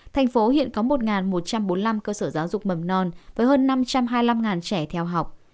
thành phố hiện có một một trăm bốn mươi năm cơ sở giáo dục mầm non với hơn năm trăm hai mươi năm trẻ theo học